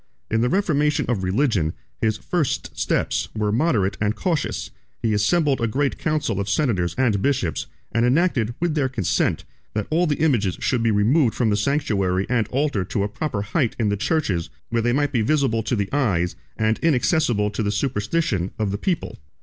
In the reformation of religion, his first steps were moderate and cautious: he assembled a great council of senators and bishops, and enacted, with their consent, that all the images should be removed from the sanctuary and altar to a proper height in the churches where they might be visible to the eyes, and inaccessible to the superstition, of the people.